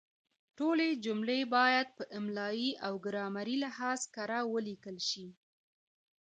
ټولې جملې باید په املایي او ګرامري لحاظ کره ولیکل شي.